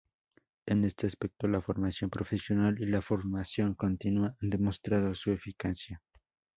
En este aspecto la formación profesional y la formación continua han demostrado su eficacia.